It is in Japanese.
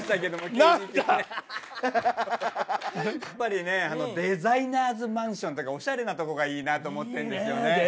やっぱりねデザイナーズマンションとかおしゃれなとこがいいなと思ってんですよね。